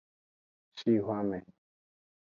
Shixwanme.